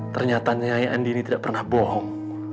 ternyata nyayah andi ini tidak pernah bohong